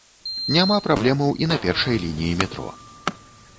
Няма праблемаў і на першай лініі метро.